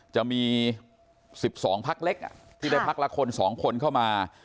จะมี๑๒พักเล็กที่ได้พักละคน๒คนเข้ามา